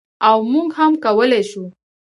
او موږ هم کولی شو.